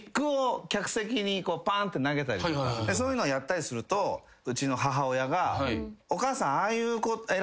パーンって投げたりとかそういうのやったりするとうちの母親が。